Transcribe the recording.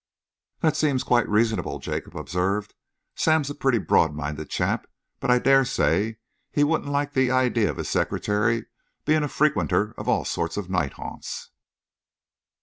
"That seems quite reasonable," Jacob observed. "Sam's a pretty broadminded chap, but I dare say he wouldn't like the idea of his secretary being a frequenter of all sorts of night haunts."